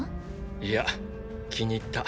いや気に入った。